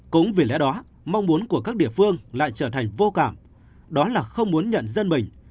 cũng vì lẽ đó mong muốn của các địa phương lại trở thành vô cảm đó là không muốn nhận dân mình